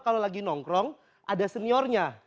kalau lagi nongkrong ada seniornya